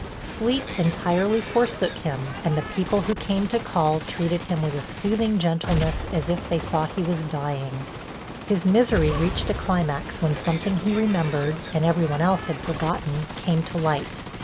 Sleep entirely forsook him and the people who came to call treated him with a soothing gentleness as if they thought he was dying. His misery reached a climax when something he remembered, and every one else had forgotten, came to light.